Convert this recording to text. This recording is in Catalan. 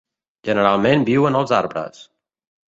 Generalment viuen als arbres.